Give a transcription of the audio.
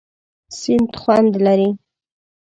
سیند خوند لري.